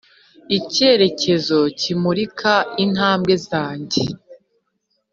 icyerekezo kimurika intambwe zanjye